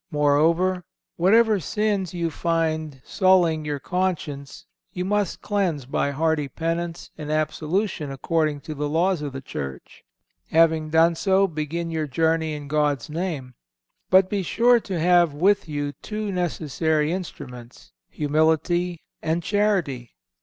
Moreover, whatever sins you find sullying your conscience you must cleanse by hearty penance and absolution according to the laws of the Church. Having done so begin your journey in God's name; but be sure to have with you two necessary instruments, Humility and Charity.